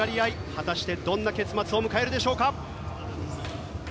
果たしてどんな結末を迎えるでしょうか。